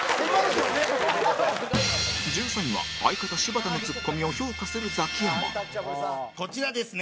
１３位は相方、柴田のツッコミを評価するザキヤマこちらですね。